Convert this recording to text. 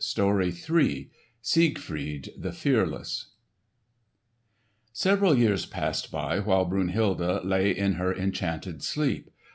*PART III* *SIEGFRIED THE FEARLESS* Several years passed by while Brunhilde lay in her enchanted sleep.